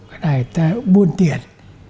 cái này theo buôn tiền